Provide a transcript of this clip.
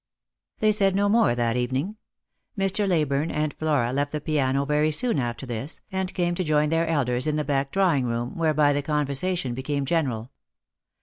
They said no more that evening. Mr. Leyburne and Flora left the piano very soon after this, and came to join their elders in the back drawing room, whereby the conversation becai^ general.